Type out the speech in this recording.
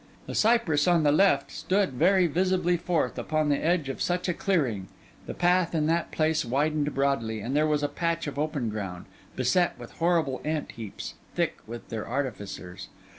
The cypress on the left stood very visibly forth, upon the edge of such a clearing; the path in that place widened broadly; and there was a patch of open ground, beset with horrible ant heaps, thick with their artificers.